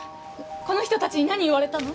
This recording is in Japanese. この人たちに何言われたの？